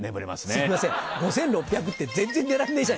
すみません５６００って全然寝られねえじゃねぇか。